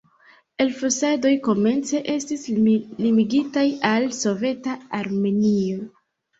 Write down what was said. Elfosadoj komence estis limigitaj al soveta Armenio.